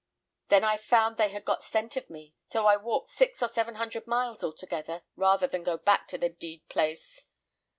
Then I found they had got scent of me; and so I've walked six or seven hundred miles altogether, rather than go back to the d d place.